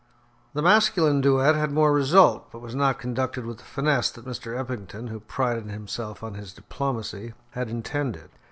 The masculine duet had more result, but was not conducted with the finesse that Mr. Eppington, who prided himself on his diplomacy, had intended.